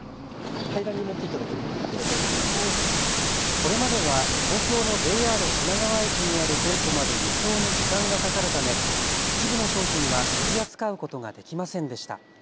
これまでは東京のＪＲ品川駅にある店舗まで輸送に時間がかかるため一部の商品は取り扱うことができませんでした。